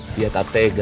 dia tak tega